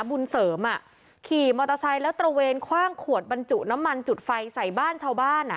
บุญเสริมอ่ะขี่มอเตอร์ไซค์แล้วตระเวนคว่างขวดบรรจุน้ำมันจุดไฟใส่บ้านชาวบ้านอ่ะ